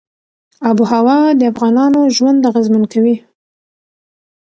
آب وهوا د افغانانو ژوند اغېزمن کوي.